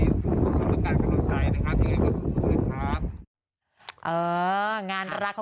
ทุกคนต้องการกำลังใจนะครับ